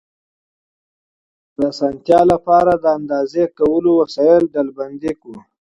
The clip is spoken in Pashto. د اسانتیا لپاره د اندازه کولو وسایل ډلبندي کوو.